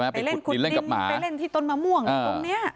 ไปเล่นที่ต้นมะม่วงตรงนี้